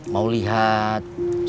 mau lihat sudah ada apa apa